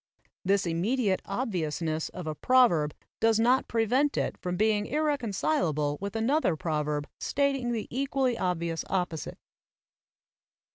This immediate obviousness of a proverb does not prevent it from being ir reconcilable with another proverb stating the equally obvious opposite.